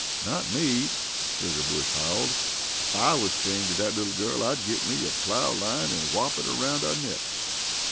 "Not me!" Figger Bush howled. "Ef I wus chained to dat little gal, I'd git me a plow line an' wrop it aroun' our necks."